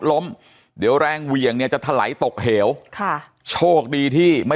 ล้มเดี๋ยวแรงเหวี่ยงเนี่ยจะถลายตกเหวค่ะโชคดีที่ไม่